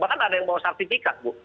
bahkan ada yang mau sertifikat bu